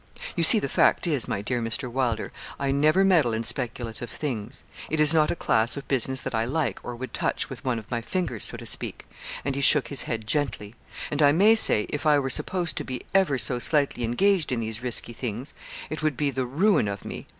'You see, the fact is, my dear Mr. Wylder, I never meddle in speculative things. It is not a class of business that I like or would touch with one of my fingers, so to speak,' and he shook his head gently; 'and I may say, if I were supposed to be ever so slightly engaged in these risky things, it would be the ruin of me.